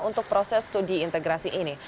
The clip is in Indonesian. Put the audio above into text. untuk proses studi integrasi ini